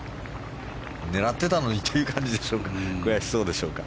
狙ってたのにという感じでしょうか。